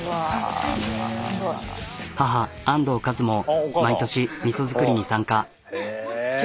母安藤和津も毎年みそ造りに参加。